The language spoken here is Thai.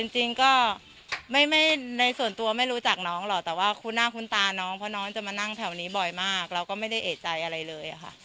จริงก็ไม่ในส่วนตัวไม่รู้จักน้องหรอกแต่ว่าคุ้นหน้าคุ้นตาน้องเพราะน้องจะมานั่งแถวนี้บ่อยมากเราก็ไม่ได้เอกใจอะไรเลยค่ะ